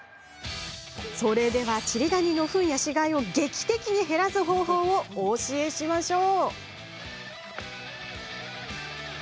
それでは、チリダニのフンや死骸を劇的に減らす方法をお教えしましょう。